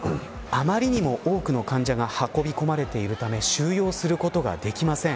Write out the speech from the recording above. あまりにも多くの患者が運び込まれているため収容することができません。